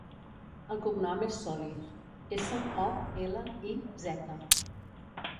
El cognom és Soliz: essa, o, ela, i, zeta.